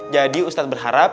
jadi ustadz berharap